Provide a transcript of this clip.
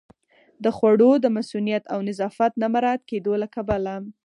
د خوړو د مصئونیت او نظافت نه مراعت کېدو له کبله